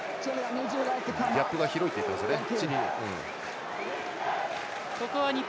ギャップが広いと言ってますね。